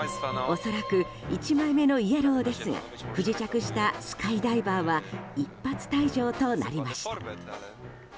恐らく、１枚目のイエローですが不時着したスカイダイバーは一発退場となりました。